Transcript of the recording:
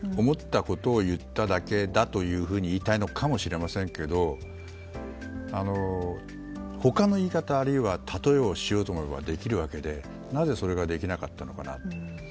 思ったことを言っただけだというふうに言いたいのかもしれませんけど他の言い方あるいは例えをしようと思えばできるわけで、なぜそれができなかったのかな。